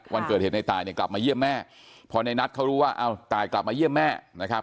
วันเกิดเหตุในตายเนี่ยกลับมาเยี่ยมแม่พอในนัทเขารู้ว่าเอาตายกลับมาเยี่ยมแม่นะครับ